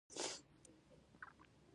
د دروازې لاک زنګ وهلی و.